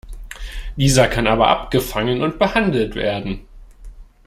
Dieser kann aber abgefangen und behandelt werden.